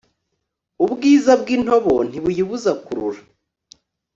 ubwiza bw'intobo ntibuyibuza kurura